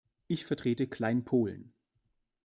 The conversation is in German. Ich vertrete Kleinpolen.